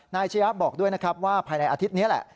อาชียะบอกด้วยนะครับว่าภายในอาทิตย์นี้แหละ